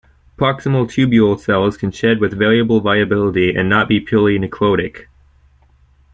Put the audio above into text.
Proximal tubule cells can shed with variable viability and not be purely "necrotic".